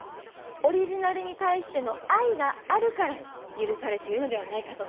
オリジナルに対しての愛があるから許されているのではないかと。